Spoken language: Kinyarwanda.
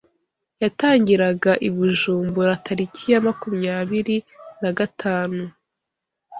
yatangiraga i Bujumbura tariki ya makumyabiri nagatanu